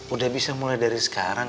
udah bisa mulai dari sekarang